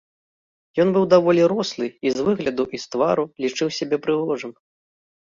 Ён быў даволі рослы і з выгляду і з твару лічыў сябе прыгожым.